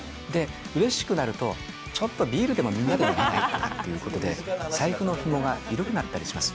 うれしくなると、ちょっとビールでも飲まない？ということで、財布のひもが緩くなったりします。